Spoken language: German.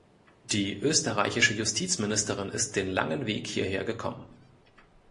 Die österreichische Justizministerin ist den langen Weg hierher gekommen.